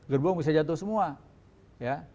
gerbong bisa jatuh semua ya